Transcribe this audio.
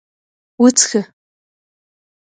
_وڅښه!